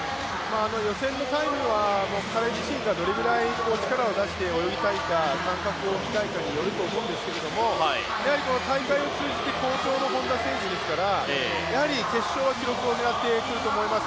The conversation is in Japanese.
予選のタイムは、彼自身がどれぐらい力を出して泳ぎたいか感覚を置きたいかによると思うんですけどこの大会を通じて好調の本多選手ですからやはり決勝は記録を狙ってくると思います。